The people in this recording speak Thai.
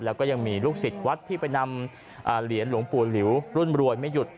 แล้วก็ยังมีลูกศิษย์วัดที่ไปนำเหรียญหลวงปู่หลิวรุ่นรวยไม่หยุด